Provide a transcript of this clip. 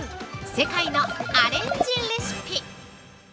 世界のアレンジレシピ。